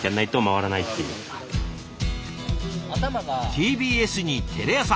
ＴＢＳにテレ朝。